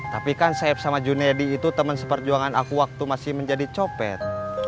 tapi kan saeb sama junaedi itu temen seperjuangan aku waktu masih menjadi copet